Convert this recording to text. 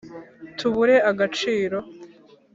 tubure agaciro